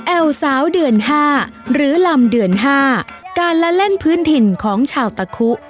สาวเดือนห้าหรือลำเดือนห้าการละเล่นพื้นถิ่นของชาวตะคุ